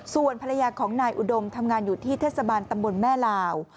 ส่วนภรรยาของนายอุดมทำงานอยู่ที่เทศบาลตำบลแม่ลาว